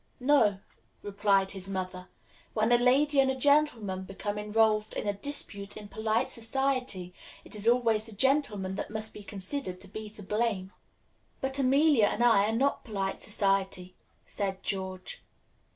"No," replied his mother. "When a lady and a gentleman become involved in a dispute in polite society, it is always the gentleman that must be considered to be to blame." "But Amelia and I are not polite society," said George.